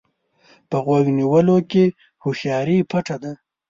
په غوږ نیولو کې هوښياري پټه ده.